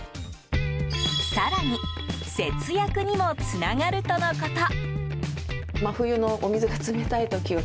更に節約にもつながるとのこと。